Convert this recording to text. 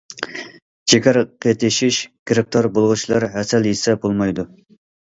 جىگەر قېتىشىش گىرىپتار بولغۇچىلار ھەسەل يېسە بولمايدۇ.